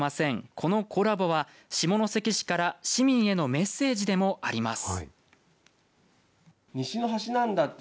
このコラボは下関市から市民へのメッセージでもあります。